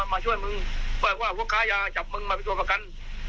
มาช่วยมึงแปลกว่าพวกค้ายาจับมึงมาเป็นตัวประกัน